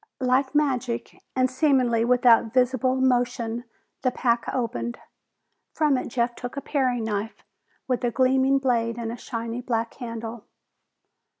Like magic, and seemingly without visible motion, the pack opened. From it Jeff took a paring knife with a gleaming blade and a shiny black handle.